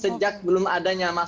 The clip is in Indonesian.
sejak belum ada nyatanya